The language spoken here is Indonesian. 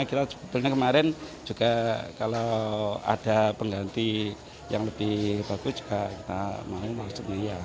kita sebetulnya kemarin juga kalau ada pengganti yang lebih bagus juga kita mau masuk